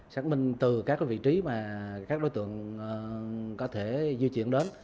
xác minh từ các vị trí mà các đối tượng có thể di chuyển đến